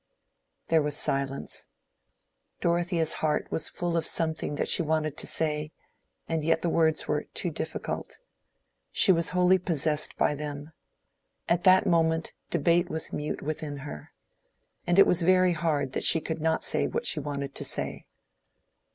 There was silence. Dorothea's heart was full of something that she wanted to say, and yet the words were too difficult. She was wholly possessed by them: at that moment debate was mute within her. And it was very hard that she could not say what she wanted to say.